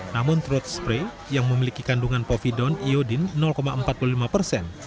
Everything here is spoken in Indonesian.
namun throat spray yang memiliki kandungan povidon iodin empat puluh lima persen